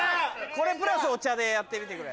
これプラスお茶でやってみてくれ。